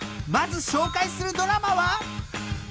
まず紹介するドラマは］